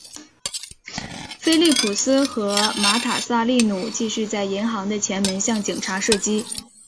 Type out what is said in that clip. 菲利普斯和马塔萨利努继续在银行的前门向警察射击。